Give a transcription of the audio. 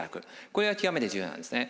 これが極めて重要なんですね。